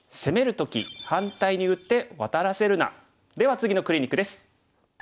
では次のクリニックです。